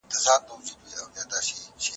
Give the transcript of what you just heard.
تاسو خپله پوهه د ټولنې په خدمت کې وکاروئ.